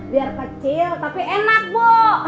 biar kecil tapi enak bu